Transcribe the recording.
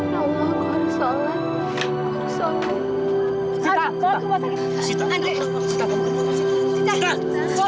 ya allah aku harus sholat